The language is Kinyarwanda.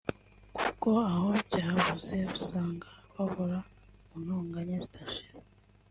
kuko aho byabuze usanga bahora mu ntonganya zidashira